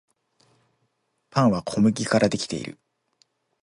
パンは小麦からできている